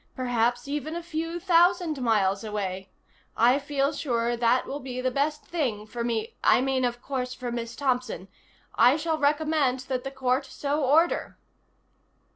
Perhaps even a few thousand miles away. I feel sure that will be the best thing for me I mean, of course, for Miss Thompson. I shall recommend that the court so order."